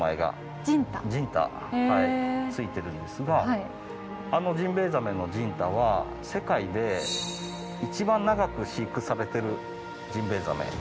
ジンタ付いてるんですがあのジンベエザメのジンタは世界で一番長く飼育されてるジンベエザメです。